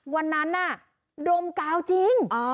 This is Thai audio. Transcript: วันนั้นน่ะดมกาวจริง